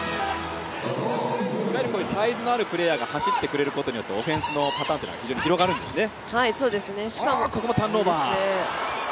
いわゆるサイズのあるプレーヤーが走ってくれることによってオフェンスのパターンというのが広がるんですね。